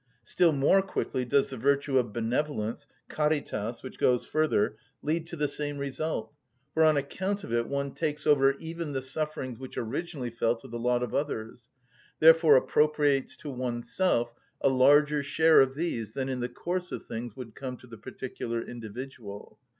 Still more quickly does the virtue of benevolence, caritas, which goes further, lead to the same result; for on account of it one takes over even the sufferings which originally fell to the lot of others, therefore appropriates to oneself a larger share of these than in the course of things would come to the particular individual.